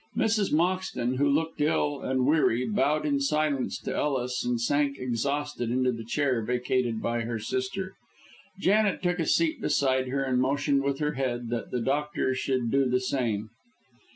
Mrs. Moxton, who looked ill and weary, bowed in silence to Ellis, and sank exhausted into the chair vacated by her sister. Janet took a seat beside her and motioned with her head that the doctor should do the same.